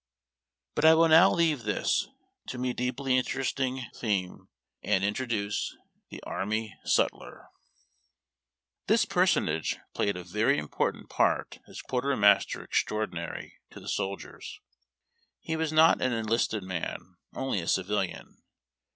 But I will now leave this — to me deeply interesting theme — and introduce THE ARMY SUTLER. This personage played a very important part as quarter master extraordinary to the soldiers. He was not an en listed man, only a civilian.